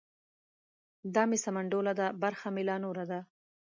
دا مې سمنډوله ده برخه مې لا نوره ده.